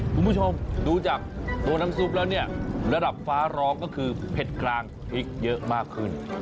คุณผู้ชมดูจากตัวน้ำซุปแล้วเนี่ยระดับฟ้าร้องก็คือเผ็ดกลางพริกเยอะมากขึ้น